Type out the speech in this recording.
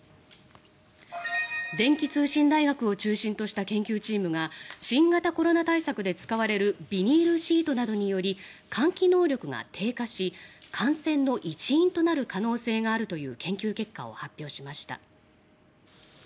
電気通信大学を中心とした研究チームが新型コロナ対策で使われるビニールシートなどにより換気能力が低下し感染の一因となる可能性があるという研究結果を発表しました。